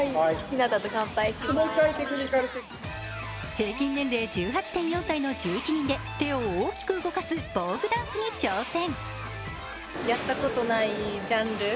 平均年齢１８．４歳の１１人で手を大きく動かすヴォーグダンスに挑戦。